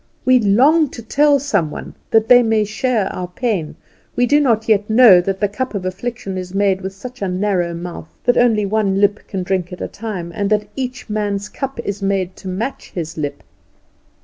We long to tell some one, that they may share our pain. We do not yet know that the cup of affliction is made with such a narrow mouth that only one lip can drink at a time, and that each man's cup is made to match his lip.